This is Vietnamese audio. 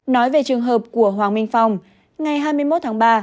nói về trường hợp của hoàng minh phong ngày hai mươi một tháng ba